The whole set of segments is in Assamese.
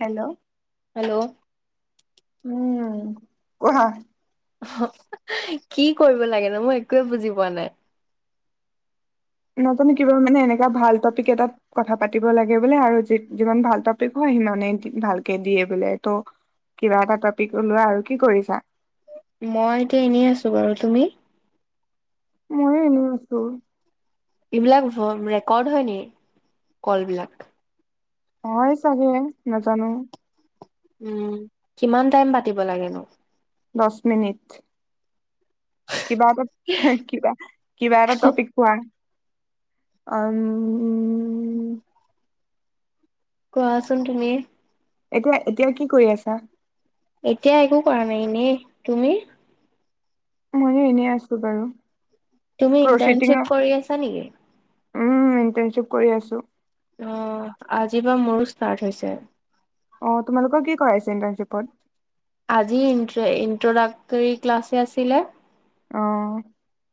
হেল্ল'। হেল্ল'। উম কৰহয়। কি কৰিব লাগে ন মই একোৱে বুজি পোৱা নাই। নাজানো কিবা মানে এনেকা ভাল টপিক এটাত কথা পাতিব লাগে বোলে আৰুি যিমান ভাল টপিক হয়। সনে ভালকে দিয়ে বোলে ত' কিবা এটা টপিক ওলোৱা আৰু কি কৰিছা। মই এতিয়া এনেই আছো বাৰু তুমি। মই এ আছো। এইবিলাক ৰেকৰ্ড হয় নি কল বিলাক। হয় চাগে নাজানো। উম কিমান টাইম পাতিব লাগেনো। দহ মিনিট। কিবা এটা কিবা কিবা এটা টপিক কোৱা। উম। কোৱাচুন তুমি। এতিয়া এতিয়াও কি কৰি আছা। এতিয়া একো কৰা নাই এনে তুমি। মই এনেই আছো বাৰু। তুমি প্ৰচিডিঙৰ ইণ্টাৰ্নশ্বিপ কৰি আছা নেকি। উম ইণ্টাৰনশ্বিপ কৰি আছো। অঁ আজিৰ পৰা মোৰো ষ্টাৰ্ট হৈছে। অঁ তোমালোকৰ কি কৰাইছে ইণ্টাৰ্ণশ্বিপত। আজি ইণ্ট্ৰডাক্টৰী ক্লাছে আছিলে। অহঁ।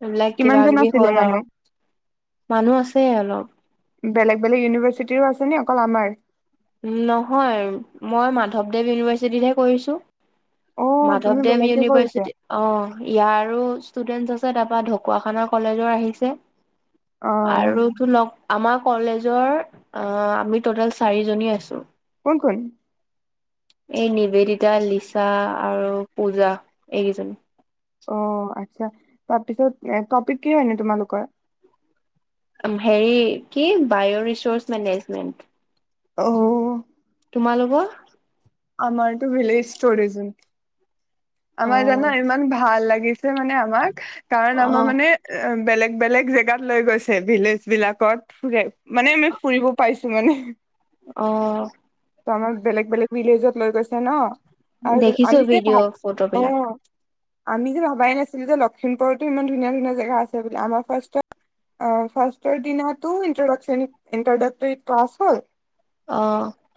এইবিলাক কিবা কিবি হ'ল আৰু মানুহ আছে অলপ। বেলেগ বেলেগ ইউনিভাৰ্চিটিৰো আছে ন অকল আমাৰ। নহয় মই মাধৱদেৱ ইউনিভাৰ্চিটিতহে কৰিছো। অ' তুমি মাধৱদেৱ বেলেগকে কৰিছা। ইউনিভাৰ্চিটি অ ইয়াৰ। ষ্টুডেন্ট আছে তাৰ পৰা ঢকুৱাখানা কলেজৰ আহিছে অ' আৰু লগ আমাৰ কলেজৰ আমি টটেল চাৰি জনী আছো। কৈ এই নিবেদিতা লিচা আৰু পূজা এইকেইজনী অ আচ্ছা তাৰপিছত টপিক কি হয়নে তোমালোকৰ? হেৰি কি বায়' ৰিচৰ্চ মেনেজমেণ্ট আহ, তোমালোকৰ? আমাৰতটো ভিলজ অ আমাৰ জানো ইমান ভাল লাগি। মানে আমাক কাৰণ অ আমাৰ মানে বেলেগ বেলেগ জেগাত লৈ গৈছে ভিলেজ বিলাকত ফু মানে আমি ফুৰিব পাইছো মানে, অঁ ত আমাক বেলেগ বেলেগ ভিলেজত লৈ গৈছে ন। আৰু দেখিছো আমি যে ভাব ভিডিঅ' ফটো বিলাক অ' আমি যে ভাবাই নাছিলো যে লক্ষিমপুৰতো ইমান ধুনীয়া ধুনীয়া জেগা আছে বুলি আমাৰ ফাৰ অ ফাৰ দি ত ইনট্ৰড ইট্ৰডকটৰি ক্লাছ হল। অ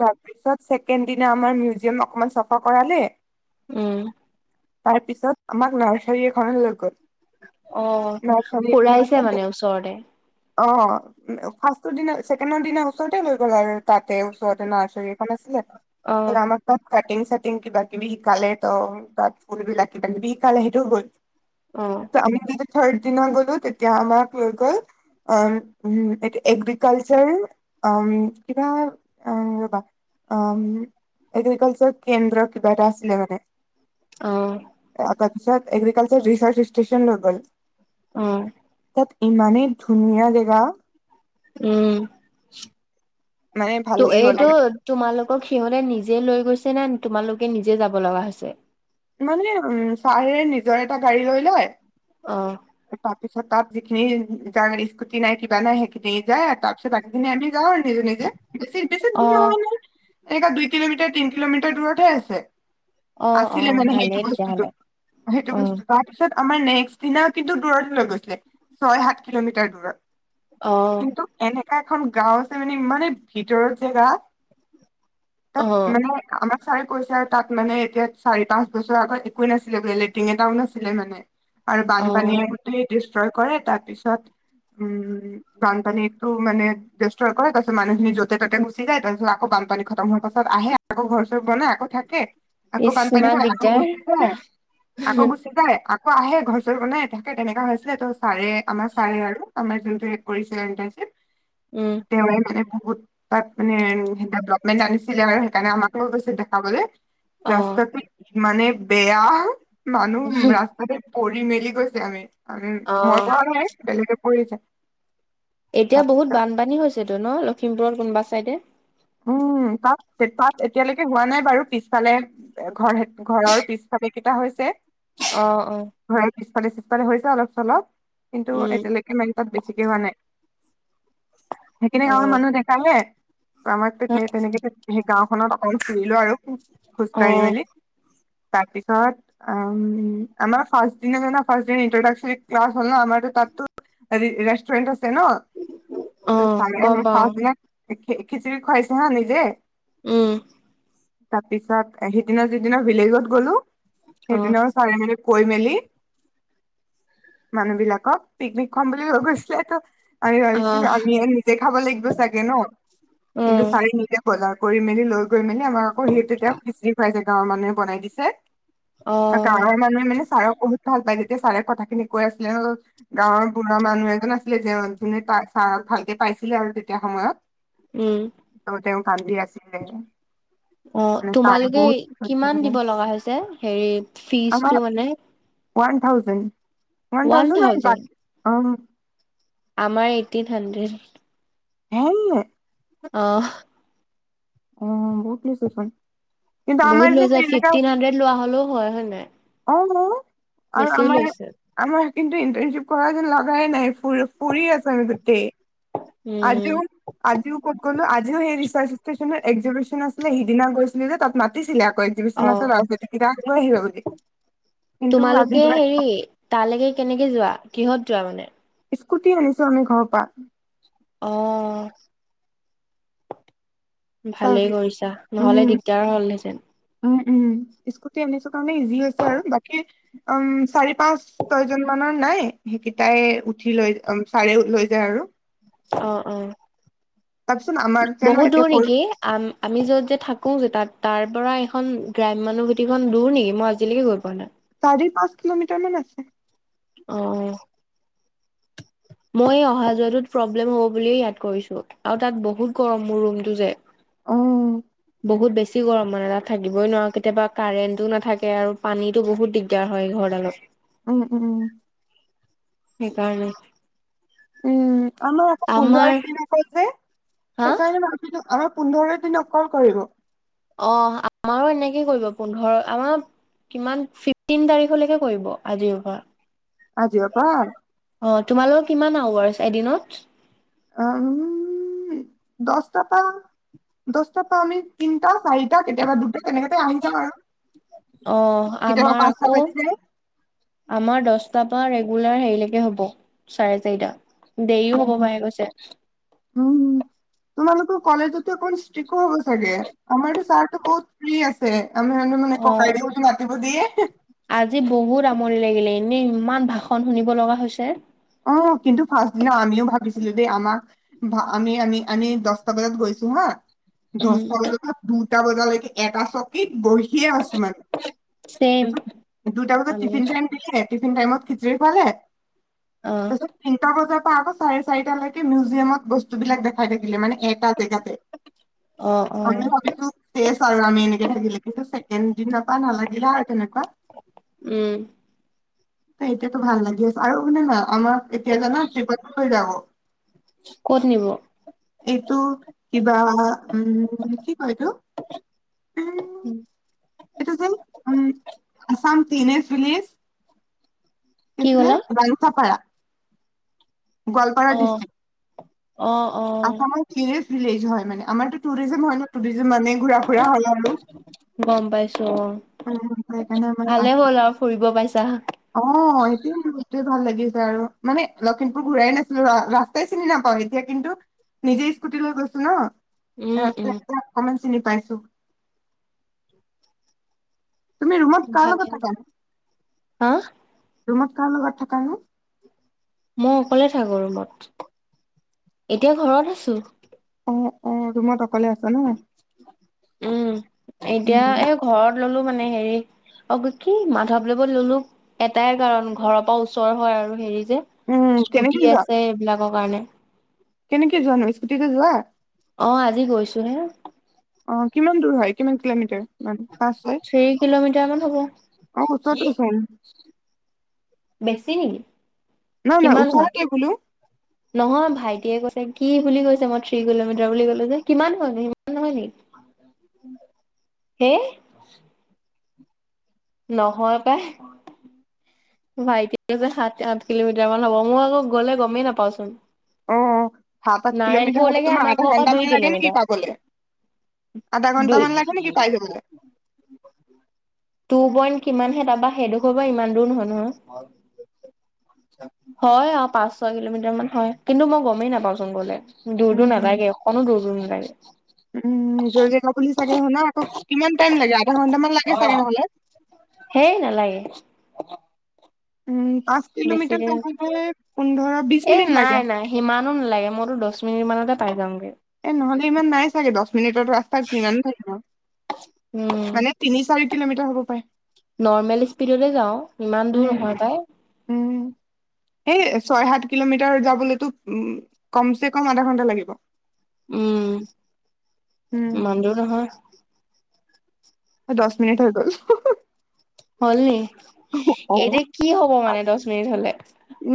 তাৰপিছতে দিনা আমাৰ মিউজিয়াম অকমান চাফা কৰালে উম তাৰ পিছত আমাক নাৰ্চাৰী এখননে লৈ গ'ল। অ নাৰ্চাৰী ফুৰাইছে মানে ওচৰতে অঁ ফাৰ্ষ্ট দিনা ছেকেণ্ডৰ দিনা ওচৰতে লৈ গ'ল আৰু তাতে ওচৰতে নাৰ্চাৰী আছিলে অ আাৰ ত কাটিং চিং কিবা কিবি শিকালে। ত তাত ফুল বিলাকি পাকিবি কাল সেইটোও গ'ল অ ত আমি চৰ্দিনা গ'লো তেতিয়া আমাক লৈ গ'ল অঁ উ এটো এগ্ৰিকালচাৰ কিবা ৰবা। উম এগ্ৰিকালচাৰ কেন্দ্ৰ কিবা এটা আছিলে মানে। আহঁ এত এগ্ৰিকালছাৰেল ৰিচাৰ্চ ষ্টেচন লৈ গল অঁ তাত ইমানেই ধুনীয়া জেগা। উম মানে ত ভাল লাগি গ'ল এইটো তোমালোকক সিহঁতে নিজে লৈ গৈছে। নাই তোমালোকে নিজে যাব লগা হৈছে? মানে উ ছাৰে নিজৰ এটা গাড়ী লৈ লয়। অ। তাৰপিছত তাত যিখিনি য স্কুটি নাই কিবা নাই সেইখিনি যায় আৰু তাৰপিছত আগদিনে আম যাওঁ নিক নকে বেছি বেছি অ দূৰ নহোৱা নাই। এনেকা দুই কিলোমিটাৰ তিন কিলোমিটাৰ দূৰতহে আছে। অ অ আছিলে মানে সেইটো ভালেই বস্তুতটো তেতিয়াহ'লে সেইটো অ। বস্তু তাৰপিছত আমাৰ নেক্সট দিনা কিন্তু দূৰত লৈ গৈছিলে ছয় সাত কিলোমিটাৰ দূৰত। অঁহ্‌ কিন্তু এনেকা এখন গাওঁ আছে মানে ইমানে ভিতৰৰ জেগা, অ তাত মানে আমাৰ ছাৰে কৈছে, তাত মানে এতিয়া চাৰি -পাঁচ বছৰ আগত একোৱে নাছিলে বোলে। লেটিং এটাও নাছিলে মানে আৰু অ বানপানীয়ে গোটেই ডেষ্ট্ৰয় কৰে, তাৰপিছত উম, বানপানীয়েটো মানে ডেষ্ট্ৰয় কৰে, তাৰপিছত মানুহখিনি য'তে -ত'তে ঘুচি যায়। তাৰপিছত আকৌ বা বানপানী খটম হোৱাৰ পাছত আহে। আকৌ ঘৰ বনায় আকৌ থাকে, আকৌ ইচ বানপানী ইমান হ'য় আকৌ দিগদাৰ। গুচি যায়, আকৌ গুচি যায়, আক্ কৌ আহে ঘৰ-চৰ বনায়। তাকে তেনেকা হৈছিলে। ত ছাৰে, আমাৰ ছাৰে আৰু আমাৰ যোনটো হেড পৰিছে এণ্টাৰ্ছিপ উম। তেওঁৱে মানে বহুত, তাত মানে হেডদাডবমেন্ট আনিছিলে বাৰু সেইকাৰণে আমাকো লৈ গৈছে দেখাবলে। অ ৰাস্তাটো ইমানে বেয়া মানুহ ৰাস্তাতে পৰি মেলি গৈছে। যে আমি আমিৰ অ মই পঢ়া নাই বেলেগে পঢ়িছে। এতিয়া বহুত বানপানী হৈছেটো ন' লখিমপুৰৰ কোনোবা চাইডে। উম তাত, তাত এতিয়ালৈকে হোৱা নাই বাৰু পিছফালে ঘৰ, ঘৰৰ পিছফালে কেইটা হৈছে। অঁ, অঁ ঘৰৰ পিছফালে -চিছফালে হৈছে অলপ -চলপ কিন্তু উম এতিয়ালৈকে মেইন তাত বেছিকে হোৱা নাই। সেইখিনি অ গাৱঁৰ মানুহ দেখালে আমাৰ তে- তেনেকে সেই গাওঁখনত অকন ফুৰিলো আৰু অ খোজ-খোজকাঢ়িমেলি তাৰ পিছত আমা--আমাৰ ফাষ্ট দিনাৰ দিনা ফাষ্টডে ইনটৰডাকচন ক্লাচ হল না। আমাৰটো তাতো হেৰি, ৰেষ্টুৱেণ্টত অ টেনত-ছাৰে গম আমাক পাও ফাষ্ট ইয়েত খি, খিচিৰি খুৱাইছে হাঁ নিজে। ওঁ তা পিছত, সিদিনা যিদিনা ভিলেজত গ'লো অ সেইদিনা ছাৰে মিনি কৈ মেলি মানুহ বিলাকক পিক্‌নিক্‌ খোৱাম বুলি লৈ গৈছিলেটাত। আৰু আইছমি আহ আমিয়েই নিজে খাব লাগিব চাগে ন'? কিন্তু উম ছাৰে নিজে। বজাৰ কৰি মেলি লৈ গৈ মেলি আমাক আকৌ, সিটো তেওঁক খিচিৰি খুৱাইছে। গাঁৱৰ মানুহে বনাই দিছে। অ গাৱঁৰ মানুহে মানে? ছাৰক বহুত ভাল পায়। যেতিয়া ছাৰে কথা খিনি কৈ আছিলে অঁ--গাঁৱৰ বুঢ়া মানুহ এজন আছিলে যে যোনে ছা, ছাৰক ভালকে পাইছিলে আৰু তেতিয়া সময়ত। উম ত, তেওঁ কান্দি আছিলে। মানে ছাৰে অঁ-তোমালোকে বহুত কৈছে কিমান মানে। দিব লগা হৈছে হেৰি আমাৰ ফিজটো মানে? One thousand. ওৱান থাউজেণ অঁ। আমাৰ এইটতিন হান্ড্ৰেদ। [unintelligible] আ--হ অঁ বুক্‌লিছ্‌ এইখন। বহুত লৈ যায়। ফিফ্‌টিন হান্দ্ৰেড লোৱা হ'ল'ও হয়। হয় নাই? অঁ, অঁ--আৰু বেছি আমাৰ, লৈছে আমাৰ কিন্তু ইন্টেণশ্বিপ কৰা যেন লগাই নাই। ফুৰ, ফুৰি আছো গোটেই উম আজিও, আজিও ক'ত গ'লো? আজিও হেৰিছ বাছ ষ্টেচনত এক্সিবিচন আছিলে, সিদিনা গৈছিলো যে তাত মাতিছিলে। কৈ - এক্সিবিচন অ' আছিলে গোটেই কেইটাক লৈ আহিবা বুলি কিন্তু আজি তোমালোকে গৈ হেৰি তালেকে কেনেকে যোৱা? কিহত যোৱা মানে? স্কুটি আনিছো আমি ঘৰ্‌পা। অঁ ভালেই তাৰপিছত কৰিছা নহ'লে দিগ্‌দাৰ হ'লহেঁতেন। ওম স্কুটি আনিছো কাৰণেই ইজি হৈছে আৰু বাকি অওঁম চাৰি, পাঁচ ছয়জন মানৰ নাই। কিটাই উঠি লয়। অঁ, ছাৰেও লৈ যায় আৰু অ অ। তাৰপিছত আমাক জানো বহুত এতিয়া দূৰ পৰি- নেকি? আম আমি যত যে থাকো যে তাত। তাৰ পৰা এখন গ্ৰাইম মানুহভূতিখন দূৰ নেকি? মই আজিলৈকে গৈ পোৱা নাই। চাৰি পাঁচ কিলোমিটাৰ মান আছে। অহ অহ। মই অহা যোৱাটোত প্ৰব্লেম হ'ব বুলিয়ে ইয়াত কৰিছো আৰু তাত বহুত গৰম মোৰ ৰুমটো যে। অ। বহুত বেছি গৰম মানে তাত থাকিবই নোৱাৰো কেতিয়াবা কাৰেণ্টো নাথাকে আৰু পানীতো বহুত দিগদাৰ হয়। হয় ঘৰদালত। উম উম উম। সেইকাৰণে। উম', আমাৰ আকৌ আমাৰ পোন্ধৰ দিনাকৈ যে, হা সেইকাৰণে ভাবিলোঁ, অ', পোন্ধৰ দিন অকল কৰিব অ আমাৰো এনেকে কৰিব পোন্ধৰ, আমাৰ কিমান ফিফটিন তাৰিখলৈকে কৰিব আজিৰ পৰা আজিৰ পৰা হয়', তোমালোক কিমান আৱাৰছ এদিনত? উমমমম', দশটাৰ পৰা দশটাৰ পৰা আমি তিনটা চাৰিটা কেতিয়াবা দুটা তেনেকাতে আহি যায় আৰু অ', কেতিয়াবা আমাৰ পাঁচটা আকৌ, বাজি যায় আমাৰ দশটাৰ পৰা ৰেগু ৰেগুলাৰ হেৰিলৈকে হব চাৰে চাৰিটা। দেৰিও হব পাৰে কৈছে উম',। তোমালোকৰ কলেজতে অকন ষ্ট্ৰিকো হূব চাগে। আমাৰটো ছাৰটো বহুত ফ্ৰী আছে। আমি মানে মানে, অ ককাইদেউ বুলি মতিব দিয়ে হিঃ আজি বহুত আমনি লাগিলে এনেই ইমান ভাষণ শুনিব লগা হৈছে। অ', কিন্তু ফাৰ্ষ্ট দিনা আমিও ভাবিছিলোঁ দেই আমাক বা আমি- আমি- আমি দশটা বজাত গৈছো হা উম দশটা বজাৰ পৰা হ'ম দুটা বজালৈকে এটা চকীত বহি দেখিয়ে আছোঁ আৰু, ছেম পিছত দুটা বজাত আমি টিফিন টাইম দিলে টিফিন টাইমত খিচৰি খোৱালে? অ তাৰপিছত তিনটা বজাত আকৌ চাৰে চাৰিটালৈকে মিউজিয়ামত বস্তুবিলাক দেখাই থাকিলে মানে এটা জেগাতে, অ অ আমি ভাবিছোঁ ফ্ৰে আৰু আমি এনেকে থাকিলে কিন্তু ছেকেণ্ড দিনা পৰা নালাগিলে আৰু তেনেকে। উম',। এতিয়াতো ভাল লাগি আছে আৰু শুনা না, আমাক এতিয়া জানা ট্ৰিপতো লৈ যাব। ক'ত নিব? এইটো কিবা উম', কি কয় এইটো উম',। এটো যেন, হ'ম, আছাম ক্লিনেষ্ট ভিলেজ। কি আছিলে? বাৰীখাপাৰা। গোৱালপাৰা অ ডিষ্ট্ৰিক্ট। অ', - অ',। আছামৰ টুৰিষ্ট ভিলেজ হয় মানে। আমাৰতো টুৰিজম হয় ন। টুৰিজম মানে ঘুৰা ফুৰা হয় আৰু। গম পাইছো অ উম', সেইকাৰণে আমাৰ ভালে আছে। হ'ল আৰু ফুৰিব পাইছা অ', এতিয়া এইটোৱে ভাল লাগিছে আৰু, মানে লখিমপুৰ ঘূৰাই নাছিলোঁ, অ', ৰাস্তাই চিনি নাপাওঁ এতিয়া কিন্তু নিজে স্কুটি লৈ গৈছোঁ ন উম উম ৰাস্তা এতিয়া অকমান চিনি পাইছোঁ তুমি ৰুমত কাৰ লগত ভালে থাকা? হা ৰুমত কাৰ লগত থাকা নো? মই অকলে থাকো ৰুমত। এতিয়া ঘৰত আছোঁ। অ', ৰুমত অক অকলে, উম', এতিয়া উম এই ঘৰত ললোঁ মানে হেৰি অ', কি, মাধৱদেৱত ল'লো, এটাই কাৰণ ঘৰৰ পৰা ওচৰ হয় আৰু হেৰি যে যে, উম স্কুটি আছে এইবিলাকৰ কাৰণে। কেনেকে যোৱা নো, স্কুটিতে যোৱা? অ', আজি গৈছোঁ হে অ', কিমান দূৰ হয় কিমান কিলোমিটাৰ মান পাঁচ ছয়? চেভেনত হ'ব। অ', ওচৰতে আছে বেছি নেকি, নাই নাই কিমান হয়? ওচৰতে বোলো নহয় ভাইটিয়ে কৈছে কি বুলি কৈছে, মই থ্ৰী কিলোমিটাৰ বুলি কলোঁ যে কিমান হয় ন, সিমান নহয় নেকি? হে', ! নহয় পাই। ভাইটি যে সাত -আঠ কিলোমিটাৰ মান হ'ব মই আকৌ গ'লে গমেই নাপাওঁচোন। অ সাত আঠ কিলোমিটাৰ হলে নাৰায়ণপুৰলৈকে তোমাৰ আমাৰ আধা ঘৰপৰা ঘন্টামান দুই লাগে নেকি কিলোমিটাৰ। পাবলে আধা ঘন্টামান দুই লাগে নেকি পাই যাবলে টো পইণ্ট কিমানহে তাৰপা সেইডোখৰ পৰা ইমান দূৰ নহয় নহয়। হয় অ পাঁচ ছয় কিলোমিটাৰ মান হয় কিন্তু মই গমেই নাপাওঁচোন গলে। দূৰ দূৰ উম নালাগে অক'নো দূৰ দূৰ নালাগে উম নিজৰ জেগা খুলিচাগে শুনা আকৌ কিমান টাইম লাগে আধা ঘন্টা মানে আধাঘন্টা লাগে চাগে নহ'লে? হেই নেলাগে। উম পাঁচ বেছি কিলোমিটাৰ দিন যাবলে পোন্ধৰ বিশ এ মিনিট লাগে নাই নাই সিমানো নালাগে মইতো দ'চ মিনিট মানতে পাই যামগে। এ নহলে ইমান নাই চাগে দ'চ মিনিটত ৰাস্তাত কিমান থাকিব উম। মানে তিনি -চাৰি কিলোমিটাৰ হ'ব পাৰে। নৰ্মেল ইস্পীডলে যাওঁ ইমান দূৰ উম নহয় পাই। উম সেই ছয় - সাত কিলোমিটাৰ যাবলৈতো উ কম চে কম আধা ঘন্টা লাগিব। উম উম ইমান দূৰ নহয়। দচ মিনিট হৈ গ'ল। হুম হল নি এতিয়া কি হ'ব মানে দ'চ মিনিট হলে?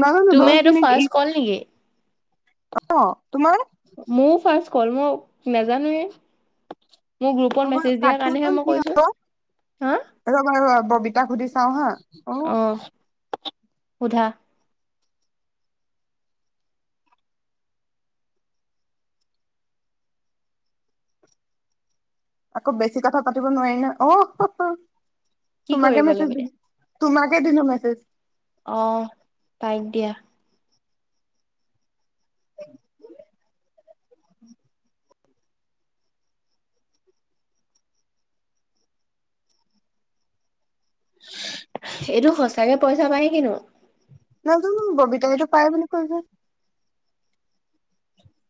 নাজানো তুমি দহ এটো মিনিট ই ফাষ্ট ক'ল নেকি? অ তোমাৰ? মোও ফাৰ্ষ্ট কল মো নাজানোৱে। মোৰ গ্ৰুপত মেছেজ দিয়াৰ কাৰণেহে মই কৈছোঁ। ৰবা'ৰবা বাৰু ববিতাক সুধি চাওঁ হা অ সুধা। আকৌ বেছি কথা পাতিব নোৱাৰি ন অহু কি কৰিব লাগে তোমাকে দিলো মেছেজ আহ তাইক দিয়া। [inaudible] এইটো সচাঁকে পইচাপায় কিনো নাজানো ববিতাইতো পাই বুলি কৈছে।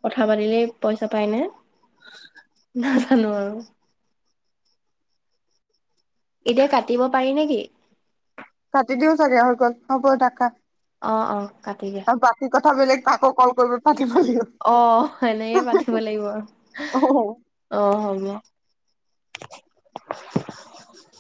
কথা পাতিলেই পইচা পাই নে নাজানো আৰু। এতিয়া কাটিব পাৰি নেকি? কাটি দিও ছাগে হৈ গ'ল হ'ব থাকা অহ অহ আৰু বাকি কথা বেলেগ আকৌ কল কৰি পাতিব অ সেনেকে লাগিব পাতিব লাগিব আৰু অহু অ হয়গে